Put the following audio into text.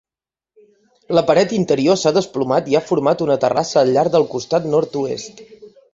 La paret interior s'ha desplomat i ha format una terrassa al llarg del costat nord-oest.